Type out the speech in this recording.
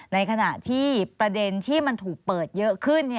ในขณะที่ประเด็นที่มันถูกเปิดเยอะขึ้น